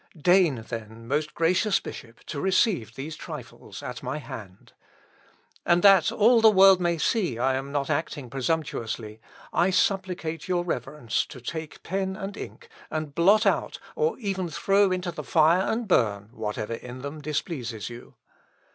Deign, then, most gracious Bishop, to receive these trifles at my hand. And that all the world may see I am not acting presumptuously, I supplicate your reverence to take pen and ink, and blot out, or even throw into the fire and burn, whatever in them displeases you.